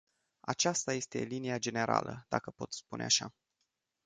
Aceasta este linia generală, dacă pot spune așa.